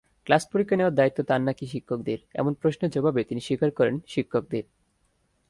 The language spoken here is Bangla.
ক্লাস-পরীক্ষা নেওয়ার দায়িত্ব তাঁর নাকি শিক্ষকদের—এমন প্রশ্নের জবাবে তিনি স্বীকার করেন, শিক্ষকদের।